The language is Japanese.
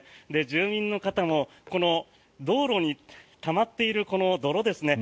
住民の方も道路にたまっているこの泥ですね